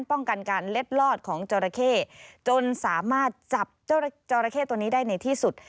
ป้องกันการเล็ดลอดของจราเข้จนสามารถจับเจ้าจอราเข้ตัวนี้ได้ในที่สุด